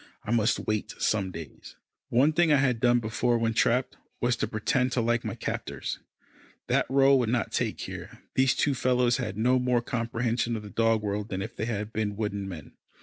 I must wait some days. One thing I had done before when trapped, was to pretend to like my captors. That rôle would not take here. These two fellows had no more comprehension of the dog world than if they had been wooden men.